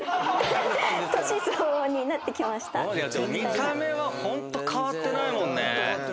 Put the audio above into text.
見た目はホント変わってないもんね。